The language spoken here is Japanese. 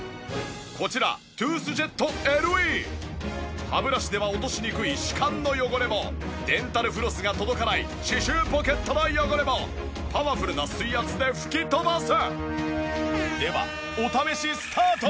こちら歯ブラシでは落としにくい歯間の汚れもデンタルフロスが届かない歯周ポケットの汚れもパワフルな水圧で吹き飛ばす！